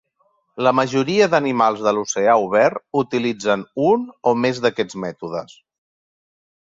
La majoria d'animals de l'oceà obert utilitzen un o més d'aquests mètodes.